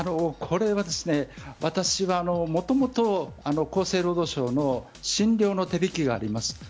私はもともと厚生労働省の診療の手引きがあります。